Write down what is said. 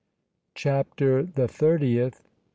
CHAPTER THE THIRTIETH.